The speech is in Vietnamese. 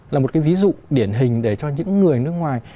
là một cái ví dụ điển hình để cho những người nước ngoài